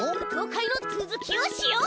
かいのつづきをしよう！